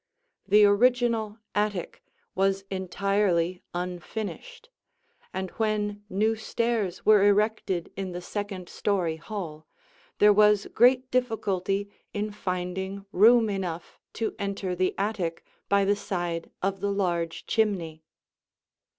The original attic was entirely unfinished, and when new stairs were erected in the second story hall, there was great difficulty in finding room enough to enter the attic by the side of the large chimney.